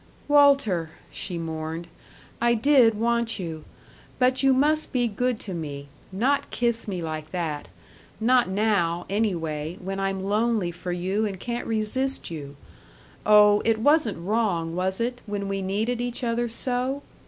"Walter!" she mourned, "I did want you. But you must be good to me not kiss me like that not now, anyway, when I'm lonely for you and can't resist you.... Oh, it wasn't wrong, was it, when we needed each other so?